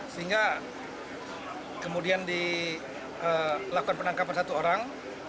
sehingga kemudian dilakukan penangkapan satu orang